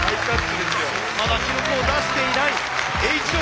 まだ記録を出していないＨ置